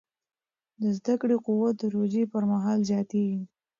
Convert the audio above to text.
د زده کړې قوت د روژې پر مهال زیاتېږي.